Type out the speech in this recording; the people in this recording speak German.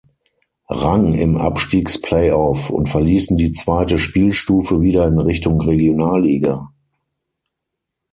Rang im Abstiegs-Play-Off und verließen die zweite Spielstufe wieder in Richtung Regionalliga.